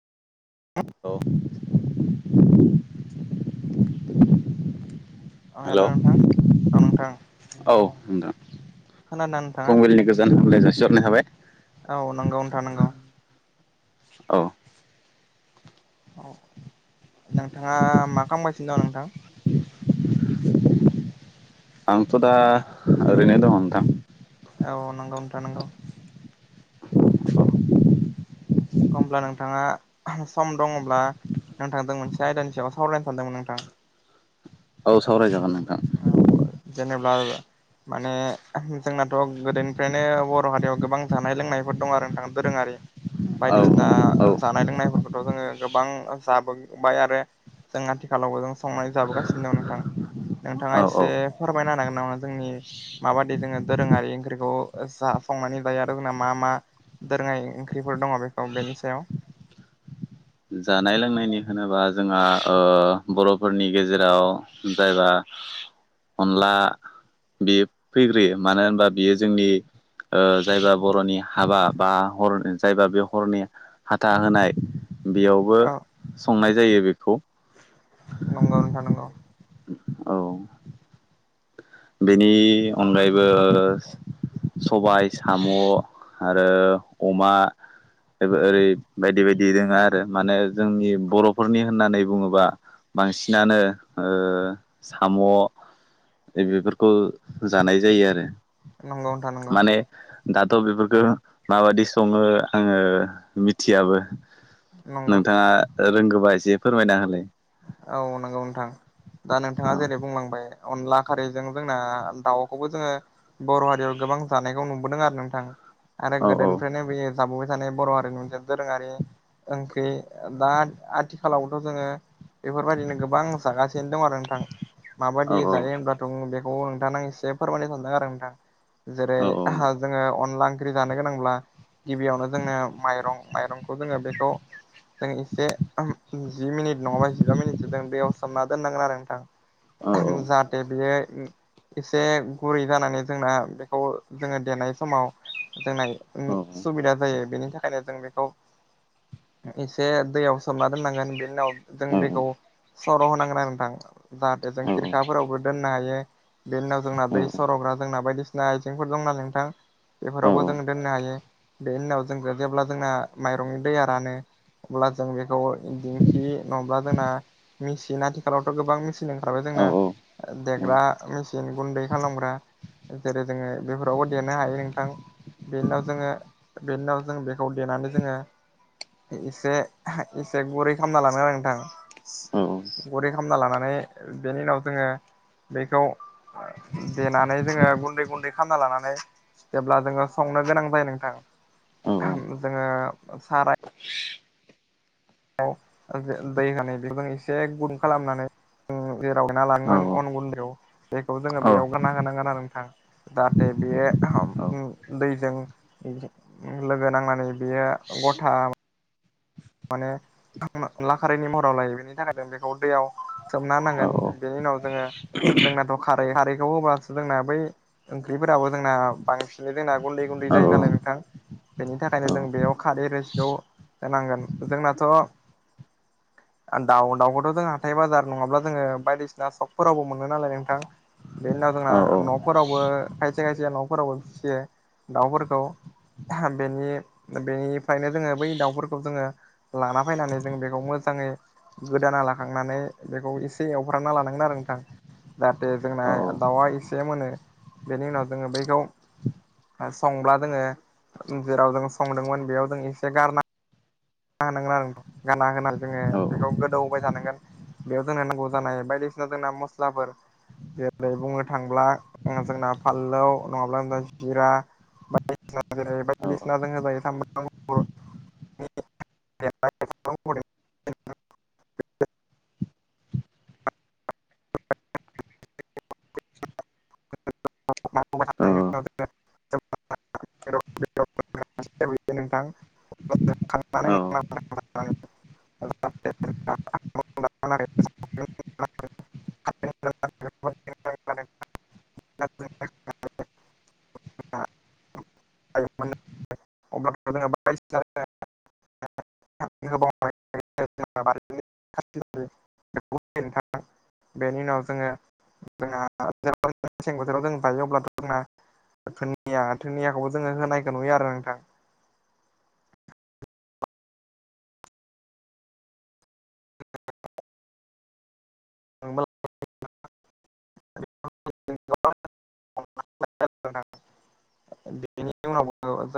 औ औ हेल' नोंथां औ नोंथां औ नोंथां खोनादोंना नोंथाङा फुंबिलिनि गोजोन हामलाय जासिहरनाय थाबाय औ नंगौ नोंथां नोंगौ औ औ नोंथाङा मा खालामगासिनो दं नोंथां आंथ' दा ओरैनो दङ नोंथां औ नंगौ नोंथां नंगौ अब्ला नोंथाङा सम दङब्ला नोंथांजों मोनसे आयदानि सायाव सावरायनो सानदोंमोन नोंथां औ सावरायजागोन नोंथां औ जेनेब्ला माने जोंनाथ' गोदोनिफ्रायनो बर' हारियाव गोबां जानाय लोंनायफोर दं आरो नोंथां दोरोङारि औ बायदिसिना औ जानाय लोंनायफोरखौ थ जोङो गोबां जाबोबाय आरो जों आथिखालावबो जों संनानै जाबोगासिनो दं नोंथां नोंथाङा औ एसे फोरमायनो हागोन नामा जोंनि माबाददि जोङो दोरोङारि ओंख्रिखौ जा संनानै जायो आरो जोंना मा मा दोरोङै ओंख्रिफोर दङ बेखौ बेनि सायाव जानाय लोंनायनि होनोबा जोंहा बर'फोरनि गेजेराव जायबा अनला बियो फैग्रोयो मानो होनबा बियो जोंनि ओ जायबा बर'नि हाबा बा हरन जायबा बे हरनि हाथा होनाय बेयावबो औ संनाय जायो बेखौ। नंगौ नोंथां नगौ औ बेनि अनगायैबो सबाय साम' आरो अमा ओरै बायदि बायदि जोंहा माने जोंनि बर'फोरनि होननानै बुङोबा बांसिनानो ओ साम' बेफोरखौ जानाय जायो आरो। नंगौ नोंथा नंगौ। माने दाथ' बेफोरखौ माबादि सङो आङो मिथियाबो। नंगौ नोंथाङा रोंगोबा एसे फोरमायना होलाय। औ नंगौ नोंथां दा नोंथाङा औ जेरै बुंलांबाय अनला खारैजों जोंना दाउखौबो जोङो बर' हारियाव गोबां जानायखौ नुबोदों आरो नोंथां आरो औ गोदोनिफ्रायनो बेयो जाबोबाय थानाय बर' हारिनि मोनसे दोरोङारि ओंख्रि दा आथिखालावथ' जोङो बेफोरबायदिनो गोबां जागासिनो दं आरो नोंथां औ माबायदि जायो होनब्ला? दंङ बेखौ नोंथांनो आं एसे फोरमायनो सानदों आरो नोंथां जेरै औ हा जोङो अनला ओंख्रि जानो गोनांब्ला गिबियावनो जोंनो माइरं माइरंखौ जोङो बेखौ जों एसे जि मिनिट नङाबा जिबा मिनिटसो जों दैयाव सोमना दोननांगोन आरो औ नोंथां जाहाथे बेयो एसे गुरै जानानै जोंना बेखौ जोङो देनाय समाव जोंना उम औ सुबिदा जायो बेनि था खायनो जों बेखौ इसे दैयाव सोमना दोननांगोन बेनि उनाव जों बे सर' होनांगोन आरो नोंथां जाहाथे जों खिरखाफोरावबो दोननो हायो। बेनि उनाव जोंना दै औ सर'ग्रा जोंना बायदिसिना आइजेंफोर दंनालाय नोंथां। बेफोरावबो जोङो दोननो हायो बेनि उनाव जों जेब्ला जोंना माइरंनि दैया रानो अब्ला जों बेखौ दिंखि नङाब्ला जोंना मेचिन आथिखालावथ' गोबां मेचिन ओंखारबाय जोंना देग्रा मेचिन सिन गुन्दै खालामग्रा जेरै जोङो बेफोरावबो देनो हायो नोंथां। बेनि उनाव जोङो बेनि उनाव जों बेखौ देनानै जोङो एसे एसे गुरै खालामना लानो आरो नोंथां। गुरै खालामना लानानै बेनि उनाव जोङो बेखौ देनानै जोङो गुन्दै गुन्दै खालामना लानानै जेब्ला जोङो संनो गोनां जायो नोंथां औ जोङो साराय दै होनाय बेखौजों एसे गुदुं खालामनानै जेराव नना औ लाङोमोन औ अन गुन्दैआव बेखौ जोङो औ बेयाव गारना होनांगोन आरो नोंथां। जाहाथे औ बेयो दैजों लोगो नांनानै बेयो गन्था माने अनला खारैनि महराव लायो बेनि थाखाय जों बेखौ दैयाव सोमना होनांगोन बेनि उनाव जोङो जोंनाथ' खारै खारैखौ होब्लासो जोंना बै ओंख्रिफोराबो जोंना बांसिनै जोंना गुन्दै गुन्दै औ जायो नालाय नोंथां। बेनि थाखायनो जों औ बेयाव खारै रैसिखौ होनांगोन जोंनाथ' [inaudible] दाउ दाउखौथ' जों हाथाय बाजार नङाब्ला जोङो बायदिसिना सकफोरावबो मोनो नालाय नोंथां। बेनि उनाव जोंना न'फोरावबो खायसे खायसे न'फोरावबो फिसियो दाउफोरखौ। बेनि बेनिफ्रायनो जोङो बै दाउफोरखौ जोङो लाना फैनानै जों बेखौ मोजाङै गोदाना लाखांनानै बेखौ एसे एवफ्रामना लानांगोन आरो नोंथां। जाहाथे जोंना दाउआ एसे मोनो बेनि उनाव जोङो बैखौ संब्ला जोङो जेराव जों संदोंमोन बेयाव जों एसे गारना गाना होनांगोन आरो गारना होनानै जोङो बेखौ गोदौबाय थानांगोन बेयाव जोंनो नांगौ जानाय बायदिसिना जोंना मस्लाफोर जेरै बुंनो थांब्ला जोंना फाललौ नङाब्ला जों जिरा बा ओ बायदिसिना जेरै बायदिसिना जों जाय साम खौ [unintelligible] एरबाय औ [unintelligible] नोंथां औ औ [unintelligible] [unintelligible] [unintelligible] द [unintelligible] अब्ला जों बायदिसिना [unintelligible] [unintelligible] बेनि उनाव जोङो जोंआ [unintelligible] जोंनिया आथोनिया जोङो होनायखो नुयो आरो नोंथां। [unintelligible] [unintelligible] [unintelligible] बेनि उनाव जों